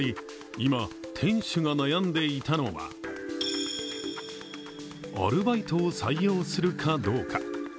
今、店主が悩んでいたのはアルバイトを採用するかどうか。